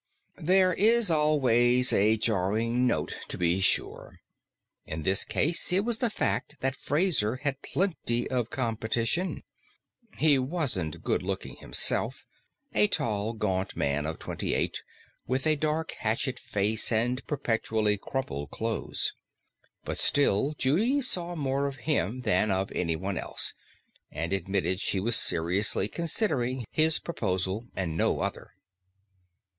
There is always a jarring note, to be sure. In this case, it was the fact that Fraser had plenty of competition. He wasn't good looking himself a tall gaunt man of twenty eight, with a dark hatchet face and perpetually rumpled clothes. But still, Judy saw more of him than of anyone else, and admitted she was seriously considering his proposal and no other.